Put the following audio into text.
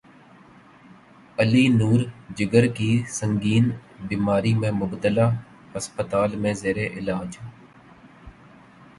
علی نور جگر کی سنگین بیماری میں مبتلا ہسپتال میں زیر علاج